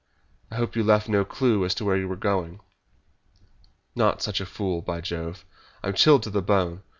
"I hope you left no clue as to where we were going." "Not such a fool! By Jove, I am chilled to the bone!